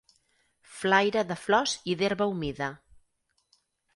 Flaira de flors i d'herba humida